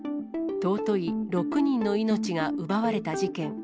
尊い６人の命が奪われた事件。